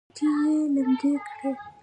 ګوتې یې لمدې کړې.